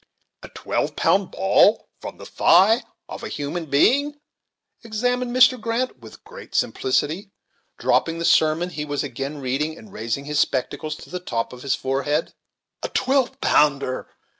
"A twelve pound ball from the thigh of a human being:" exclaimed Mr. Grant, with great simplicity, dropping the sermon he was again reading, and raising his spectacles to the top of his forehead. "A twelve pounder!"